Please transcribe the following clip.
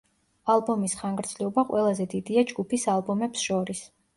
ალბომის ხანგრძლივობა ყველაზე დიდია ჯგუფის ალბომებს შორის.